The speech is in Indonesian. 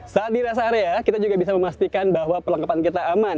saat di rest area kita juga bisa memastikan bahwa perlengkapan kita aman